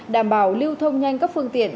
đảm bảo lưu thông nhanh các phương tiện